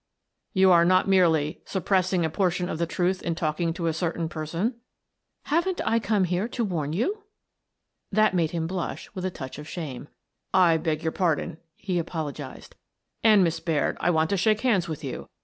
You are not merely —' suppressing a portion of the truth in talking to a certain person '?"" Haven't I come here to warn you? " That made him blush with a touch of shame. " I beg your pardon," he apologized, " and, Miss Baird, I want to shake hands with you.